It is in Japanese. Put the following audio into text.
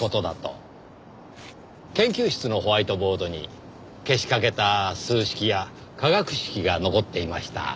研究室のホワイトボードに消しかけた数式や化学式が残っていました。